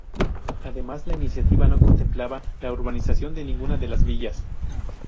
Además la iniciativa no contemplaba la urbanización de ninguna de las villas.